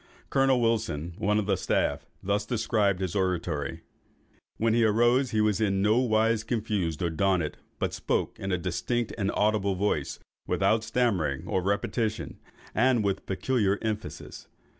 Colonel Wilson, one of the staff, thus describes his oratory:—"When he arose, he was in no wise confused or daunted, but spoke in a distinct and audible voice, without stammering or repetition, and with peculiar emphasis.